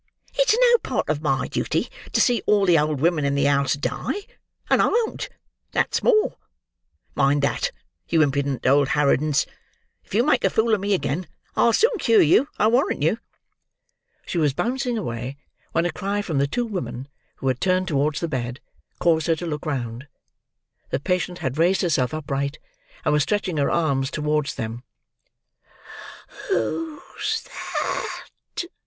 It's no part of my duty to see all the old women in the house die, and I won't—that's more. Mind that, you impudent old harridans. If you make a fool of me again, I'll soon cure you, I warrant you!" She was bouncing away, when a cry from the two women, who had turned towards the bed, caused her to look round. The patient had raised herself upright, and was stretching her arms towards them.